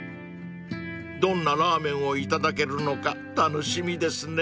［どんなラーメンを頂けるのか楽しみですね］